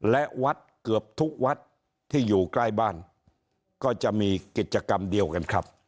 และวัดเกือบทุกวัดที่อยู่ใกล้บ้านก็จะมีกิจกรรมเดียวกันครับ